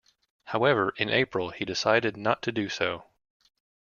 However, in April he decided not to do so.